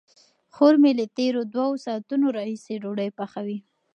خور مې له تېرو دوو ساعتونو راهیسې ډوډۍ پخوي.